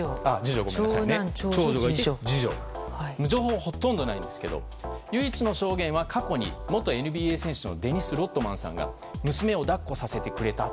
でも、情報はほとんどないんですけど唯一の証言は過去に元ＮＢＡ選手のデニス・ロッドマンさんが娘を抱っこさせてくれた。